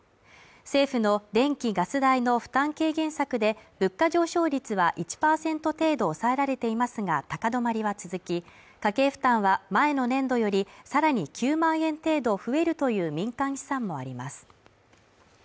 政府の電気・ガス代の負担軽減策で物価上昇率は１％程度抑えられていますが、高止まりは続き、家計負担は、前の年度よりさらに９万円程度増えるという民間試算もあります。